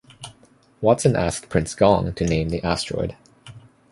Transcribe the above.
Watson asked Prince Gong to name the asteroid.